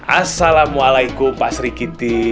assalamualaikum pak sri kitty